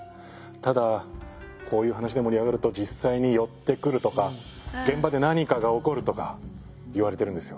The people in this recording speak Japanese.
ただこういう話で盛り上がると実際に寄ってくるとか現場で何かが起こるとかいわれてるんですよ。